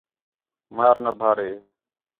مار نہ بھارے